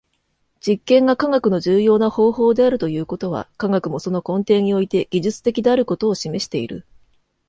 実験が科学の重要な方法であるということは、科学もその根底において技術的であることを示している。